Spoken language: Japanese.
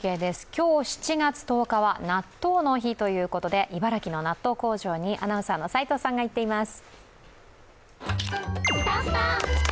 今日７月１０日は納豆の日ということで茨城の納豆工場にアナウンサーの齋藤さんが行っています。